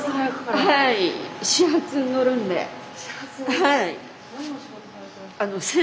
はい。